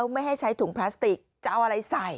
ไม่ให้ใช้ถุงพลาสติกจะเอาอะไรใส่